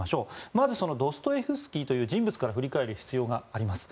まずドストエフスキーという人物から振り返る必要があります。